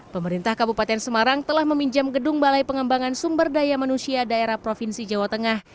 pemerintah kabupaten semarang telah meminjam gedung balai pengembangan sumber daya manusia daerah provinsi jawa tengah